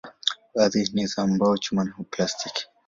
Baadhi ni za mbao, chuma au plastiki.